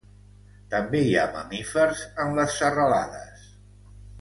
També hi ha mamífers en les serralades.